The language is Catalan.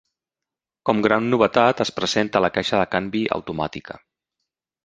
Com gran novetat es presenta la caixa del canvi automàtica.